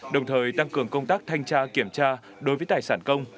đồng thời tăng cường công tác thanh tra kiểm tra đối với tài sản công